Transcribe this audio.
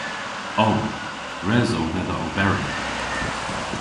O. Res o dhedha oberi.